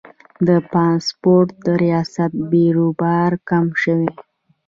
د پاسپورت ریاست بیروبار کم شوی؟